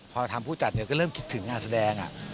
พอทำผู้จัดก็เริ่มคิดถึงงานแสดง